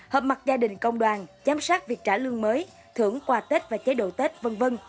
hợp mặt gia đình công đoàn giám sát việc trả lương mới thưởng quà tết và chế độ tết v v